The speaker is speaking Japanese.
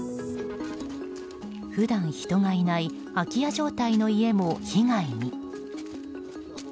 普段人がいない空き家状態の家も被害に。